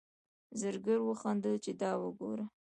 زرګر وخندل چې دا وګوره.